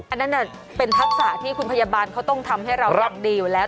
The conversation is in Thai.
อันนั้นเป็นทักษะที่คุณพยาบาลเขาต้องทำให้เราอย่างดีอยู่แล้ว